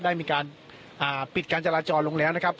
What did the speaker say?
ได้มีการปิดการจราจรลงแล้วนะครับ